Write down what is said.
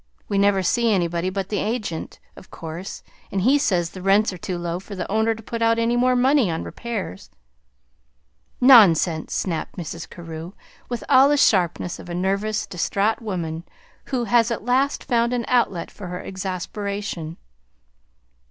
We never see anybody but the agent, of course; and he says the rents are too low for the owner to put out any more money on repairs." "Nonsense!" snapped Mrs. Carew, with all the sharpness of a nervous, distraught woman who has at last found an outlet for her exasperation.